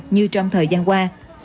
như trong thời gian qua